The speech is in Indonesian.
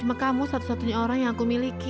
cuma kamu satu satunya orang yang aku miliki